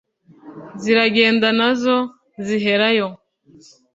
ziragenda nazo ziherayo.